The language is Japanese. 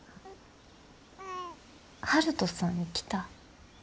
悠人さん来た？